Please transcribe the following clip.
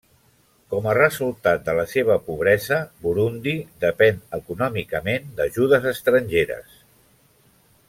Com a resultat de la seva pobresa, Burundi depèn econòmicament d'ajudes estrangeres.